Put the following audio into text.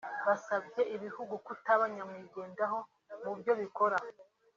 Basabye ibihugu kutaba nyamwigendaho mu byo bikora